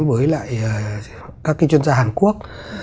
với lại các cái chuyên gia hàn quốc